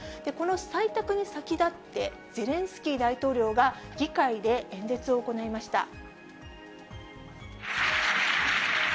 この採択に先立って、ゼレンスキー大統領が議会で演説を行いました。